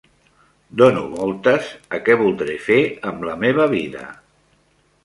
Dono voltes a què voldré fer amb la meva vida!